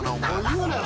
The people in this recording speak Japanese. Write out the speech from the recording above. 言うなや！